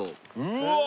うわ！